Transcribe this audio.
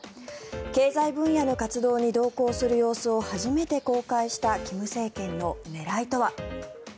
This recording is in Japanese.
経済分野の活動に同行する様子を初めて公開した金政権の狙いとは。